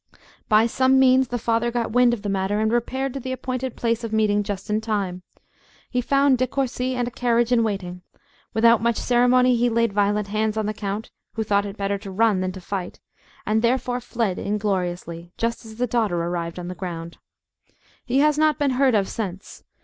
By some means the father got wind of the matter, and repaired to the appointed place of meeting just in time. He found De Courci and a carriage in waiting. Without much ceremony, he laid violent hands on the count, who thought it better to run than to fight, and therefore fled ingloriously, just as the daughter arrived on the ground. He has not been heard of since.